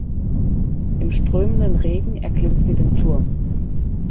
Im strömenden Regen erklimmt sie den Turm.